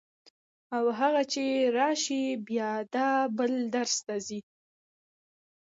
او هغه چې راشي بیا دا بل درس ته ځي.